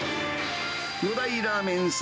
５大ラーメン